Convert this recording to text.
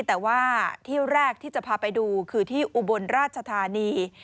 แต่ว่าที่แรกที่จะพาไปดูคือที่อุบลราชธานี